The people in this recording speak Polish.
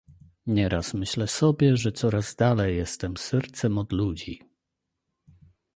"Nieraz myślę sobie, że coraz dalej jestem sercem od ludzi."